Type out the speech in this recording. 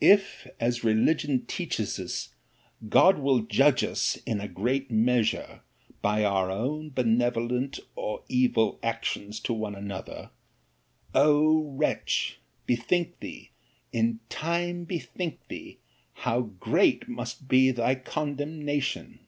'If, as religion teaches us, God will judge us, in a great measure! by our benevolent or evil actions to one another—O wretch! bethink thee, in time bethink thee, how great must be thy condemnation.